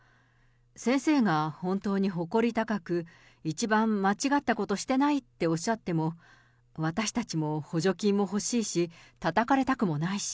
先生が本当に誇り高く、一番間違ったことしてないっておっしゃっても、私たちも補助金も欲しいし、たたかれたくもないし。